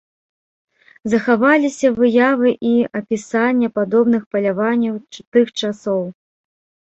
Захаваліся выявы і апісання падобных паляванняў тых часоў.